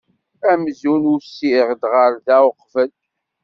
Amzun usiɣ-d ɣer da uqbel.